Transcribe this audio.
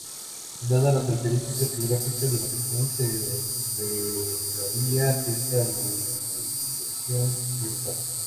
Dadas las características geográficas de la región se esperaría cierta variación dialectal.